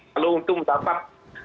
kalau untuk mencapai